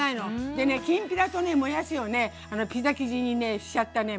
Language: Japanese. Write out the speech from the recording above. でねきんぴらとねもやしをねピザ生地にねしちゃったね